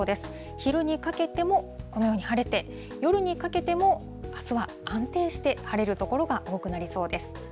昼にかけても、このように晴れて、夜にかけてもあすは安定して晴れる所が多くなりそうです。